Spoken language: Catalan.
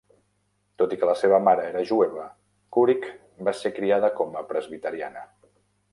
Tot i que la seva mare era jueva, Couric va ser criada com a presbiteriana.